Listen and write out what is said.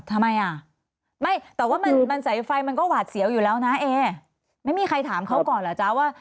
ทำไมอ่ะไม่แต่ว่ามันสายไฟมันก็หวาดเสียวอยู่แล้วนะเอไม่มีใครถามเขาก่อนเหรอจ๊ะว่า